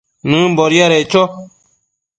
nëmbo diadeccho